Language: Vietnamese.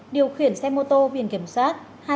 điều khiển xe mô tô viền kiểm soát